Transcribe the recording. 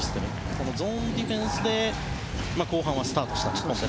このゾーンディフェンスで後半はスタートしました。